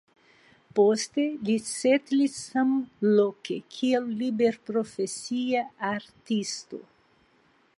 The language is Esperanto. Poste li setlis samloke kiel liberprofesia artisto.